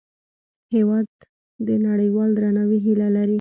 هېواد د نړیوال درناوي هیله لري.